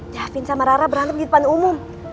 davin sama rara berantem di depan umum